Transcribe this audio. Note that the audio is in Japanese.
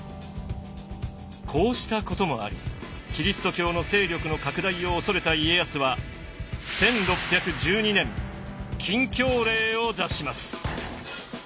こうしたこともありキリスト教の勢力の拡大を恐れた家康は１６１２年禁教令を出します。